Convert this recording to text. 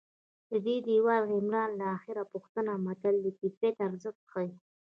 د دېوال عمر له اخېړه پوښته متل د کیفیت ارزښت ښيي